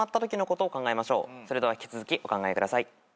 それでは引き続きお考えください。